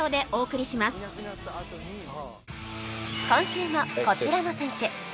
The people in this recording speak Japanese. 今週もこちらの選手